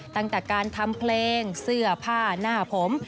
ตั้งแต่การทำเพลงเสื้อผ้าหน้าผม